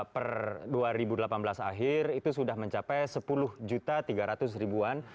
per dua ribu delapan belas akhir itu sudah mencapai sepuluh tiga ratus an